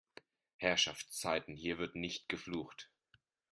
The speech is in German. Herrschaftszeiten, hier wird nicht geflucht!